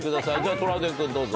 トラウデン君どうぞ。